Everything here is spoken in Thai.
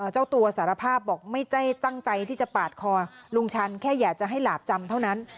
เจ้าตัวสารภาพบอกไม่ได้ตั้งใจที่จะปาดคอลุงชันแค่อยากจะให้หลาบจำเท่านั้น